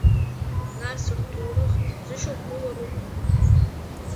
Нас рҭоурых зышьақәгылару?